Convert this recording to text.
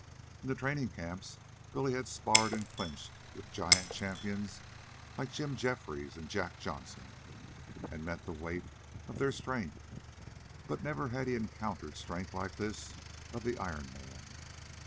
In the training camps Billy had sparred and clinched with giant champions like Jim Jeffries and Jack Johnson, and met the weight of their strength, but never had he encountered strength like this of the Iron Man.